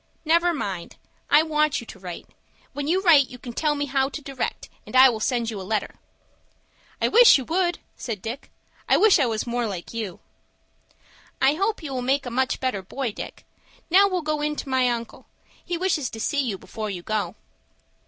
"Never mind. I want you to write. When you write you can tell me how to direct, and I will send you a letter." "I wish you would," said Dick. "I wish I was more like you." "I hope you will make a much better boy, Dick. Now we'll go in to my uncle. He wishes to see you before you go."